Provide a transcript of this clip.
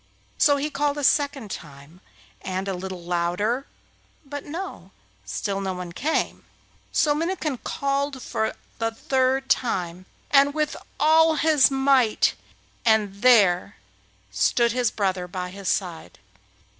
So he called a second time, and a little louder, but no! still no one came. So Minnikin called for the third time, and with all his might, and there stood his brother by his side.